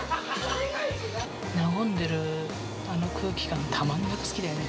和んでいる空気感、たまらなく好きだよね。